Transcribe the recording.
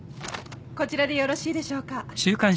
こちらでよろしいでしょうか？